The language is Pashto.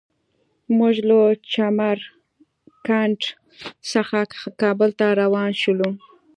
موږ له چمر کنډ څخه کابل ته روان شولو.